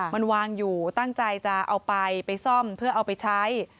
มันวางอยู่ตั้งใจจะเอาไปไปซ่อมเพื่อเอาไปใช้